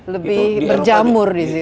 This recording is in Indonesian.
lebih berjamur di situ